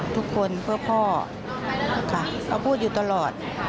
ทุกคนเพื่อพ่อค่ะเขาพูดอยู่ตลอด